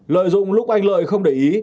lợi dụng lúc anh lợi không để ý